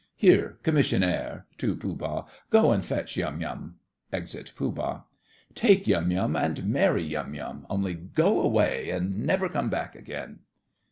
Here, Commissionaire (to Pooh Bah), go and fetch Yum Yum. (Exit Pooh Bah.) Take Yum Yum and marry Yum Yum, only go away and never come back again.